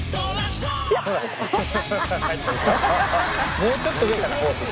もうちょっと上かなホース。